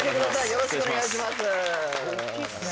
よろしくお願いします